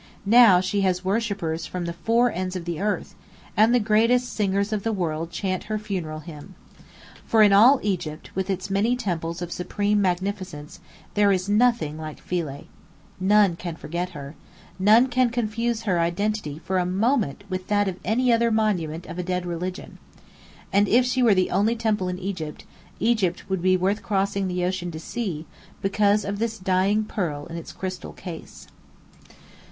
Now she has worshippers from the four ends of the earth, and the greatest singers of the world chant her funeral hymn. For in all Egypt, with its many temples of supreme magnificence, there is nothing like Philae. None can forget her. None can confuse her identity for a moment with that of any other monument of a dead religion. And if she were the only temple in Egypt, Egypt would be worth crossing the ocean to see, because of this dying pearl in its crystal case.